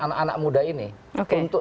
anak anak muda ini untuk